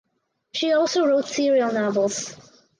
She also wrote serial novels.